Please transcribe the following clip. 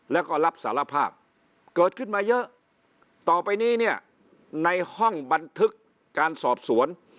แล้วก็รับสารภาพเกิดขึ้นมาเยอะต่อไปนี้เนี่ยในห้องบันทึกการสอบสวน